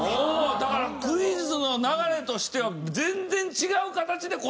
だからクイズの流れとしては全然違う形で答えて。